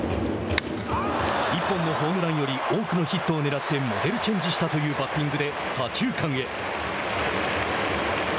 １本のホームランより多くのヒットをねらってモデルチェンジしたというバッティングで左中間へ。